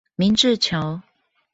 明治橋